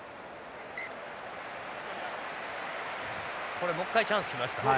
これもう一回チャンス来ましたね。